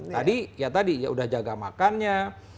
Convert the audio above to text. tadi ya tadi ya udah jaga makannya